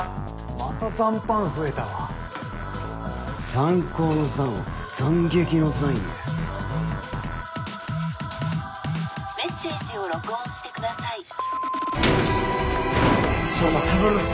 ・また残飯増えたわザン高の「ザン」は斬撃の「ザン」や☎メッセージを録音してください壮磨頼む！